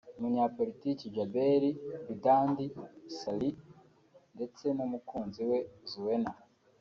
umunyapolitiki Jaberi Bidandi Ssali ndetse n’umukunzi we Zuena